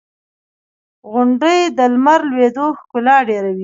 • غونډۍ د لمر لوېدو ښکلا ډېروي.